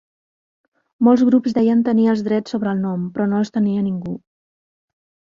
Molts grups deien tenir els drets sobre el nom, però no els tenia ningú.